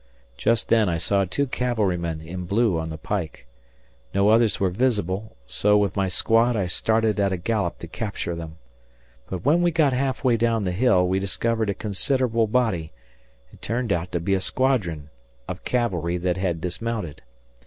Just then I saw two cavalrymen in blue on the pike. No others were visible, so with my squad I started at a gallop to capture them. But when we got halfway down the hill we discovered a considerable body it turned out to be a squadron of cavalry that had dismounted.